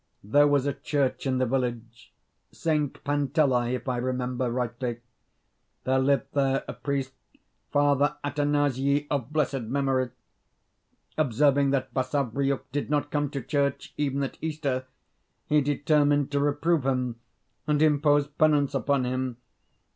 There was a church in the village St. Pantelei, if I remember rightly. There lived there a priest, Father Athanasii of blessed memory. Observing that Basavriuk did not come to church, even at Easter, he determined to reprove him and impose penance upon him.